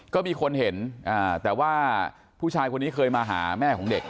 ก็มีคนเห็นแต่ว่าผู้ชายคนนี้เคยมาหาแม่ของเด็ก